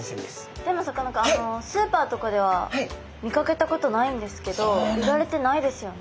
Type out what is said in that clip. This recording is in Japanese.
でもさかなクンあのスーパーとかでは見かけたことないんですけど売られてないですよね。